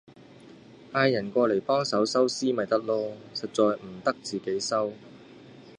嗌人過嚟幫手收屍咪得囉，實在唔得自己收